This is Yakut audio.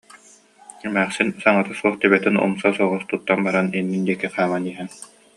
эмээхсин саҥата суох, төбөтүн умса соҕус туттан баран иннин диэки хааман иһэн